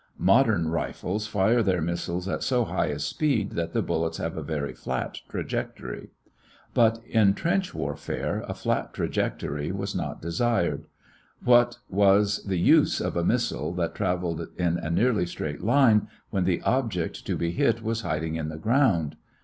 Modern rifles fire their missiles at so high a speed that the bullets have a very flat trajectory. But in trench warfare a flat trajectory was not desired. What was the use of a missile that traveled in a nearly straight line, when the object to be hit was hiding in the ground?